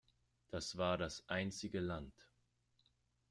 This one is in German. Das war das einzige Land!